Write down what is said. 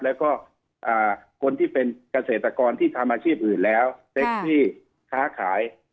แล้วก็คนที่เป็นเกษตรกรที่ทำอาชีพอื่นแล้วเป็นที่ค้าขาย